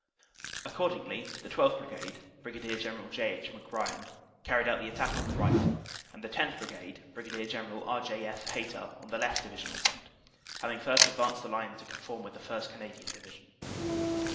Accordingly, the 12th. Brigade (Brig. General J. H. McBrien) carried out the attack on the right and the 10th. Brigade (Brig. General R. J. F. Hayter) on the left Divisional front, having first advanced the line to conform with the 1st. Canadian Division.